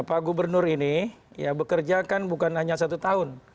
pak gubernur ini ya bekerja kan bukan hanya satu tahun